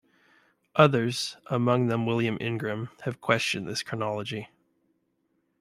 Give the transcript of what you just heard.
Others, among them William Ingram, have questioned this chronology.